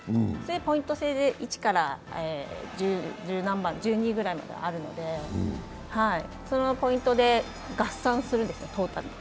ポイント制で１から１２ぐらいまであるのでそのポイントで合算するんですね、トータル。